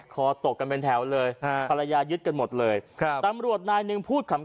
คอตกกันเป็นแถวเลยฮะภรรยายึดกันหมดเลยครับตำรวจนายหนึ่งพูดขำ